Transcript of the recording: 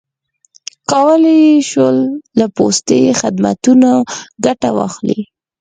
کولای یې شول له پوستي خدمتونو ګټه واخلي.